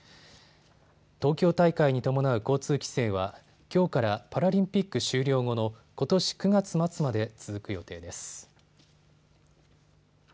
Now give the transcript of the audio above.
東京大会に伴う交通規制はきょうからパラリンピック終了後のことし９月末まで続く予定です。